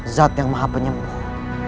zat yang maha penyembuh